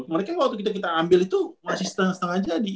mereka waktu kita ambil itu masih setengah setengah jadi